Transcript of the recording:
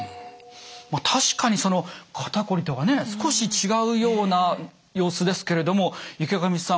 まあ確かにその肩こりとはね少し違うような様子ですけれども池上さん